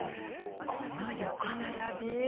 この横並び。